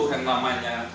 untuk yang namanya